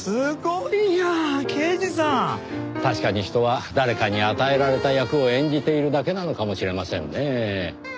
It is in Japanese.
確かに人は誰かに与えられた役を演じているだけなのかもしれませんねぇ。